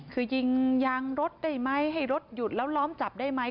คือยิงยางรถได้ไหมให้รถหยุดแล้วล้อมจับได้ไหม